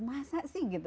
masa sih gitu